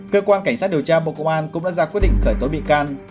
cơ quan cảnh sát điều tra bộ công an cũng đã ra quyết định khởi tố bị can